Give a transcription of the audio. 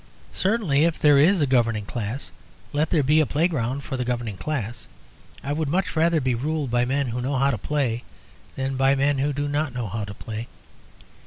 Certainly if there is a governing class, let there be a playground for the governing class. I would much rather be ruled by men who know how to play than by men who do not know how to play.